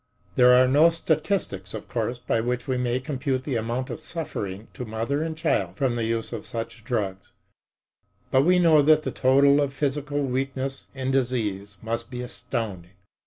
There are no statistics, of course, by which we may compute the amount of suffering to mother and child from the use of such drugs, but we know that the total of physical weakness and disease must be astounding.